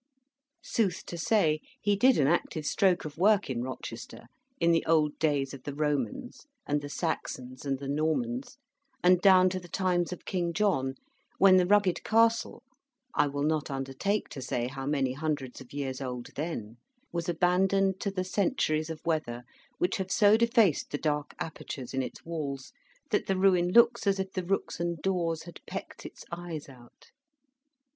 Sooth to say, he did an active stroke of work in Rochester, in the old days of the Romans, and the Saxons, and the Normans; and down to the times of King John, when the rugged castle I will not undertake to say how many hundreds of years old then was abandoned to the centuries of weather which have so defaced the dark apertures in its walls, that the ruin looks as if the rooks and daws had pecked its eyes out.